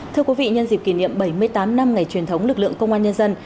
thưa quý vị nhân dịp kỷ niệm bảy mươi tám năm ngày truyền thống lực lượng công an nhân dân